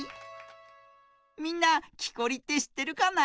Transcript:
みんなきこりってしってるかな？